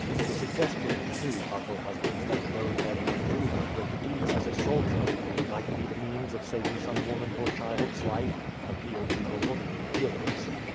The suggestion, too, of her husband that though Ned might do no great deeds as a soldier he might be the means of saving some woman or child's life, appealed to her womanly feelings.